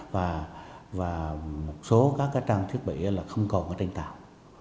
và một số các trang thiết bị là không còn có tranh tàu